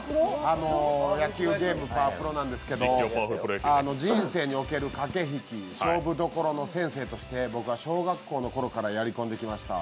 野球ゲーム「パワプロ」なんですけど、人生における駆け引き勝負どころの先生として僕は小学校の頃からやりこんできました。